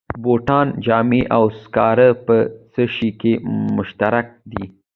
بوټان، جامې او سکاره په څه شي کې مشترک دي